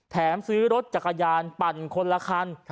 แถมซื้อรถจากขยานปั่นคนละครัน